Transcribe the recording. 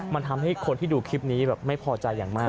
มันทำให้คนที่ดูคลิปนี้แบบไม่พอใจอย่างมาก